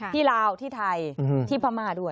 ลาวที่ไทยที่พม่าด้วย